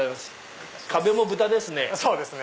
壁も豚ですね。